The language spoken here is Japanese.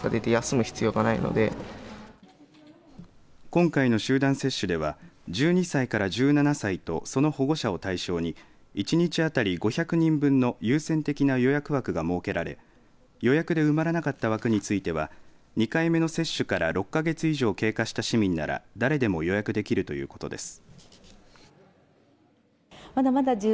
今回の集団接種では１２歳から１７歳とその保護者を対象に一日当たり５００人分の優先的な予約枠が設けられ予約で埋まらなかった枠については２回目の接種から６か月以上、経過した市民なら誰でも予約できるということです。